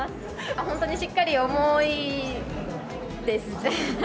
本当にしっかり重いです。